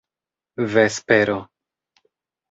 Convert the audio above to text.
vespero